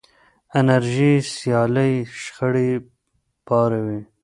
انرژي سیالۍ شخړې پاروي.